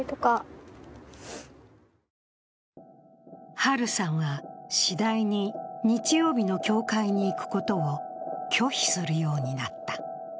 ハルさんは次第に日曜日の教会に行くことを拒否するようになった。